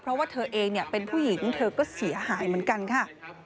เพราะว่าเธอเองเป็นผู้หญิงเธอก็เสียหายเหมือนกันค่ะ